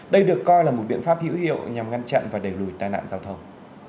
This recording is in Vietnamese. đây được coi là một biện pháp hữu hiệu nhằm ngăn chặn và đẩy lùi tai nạn giao thông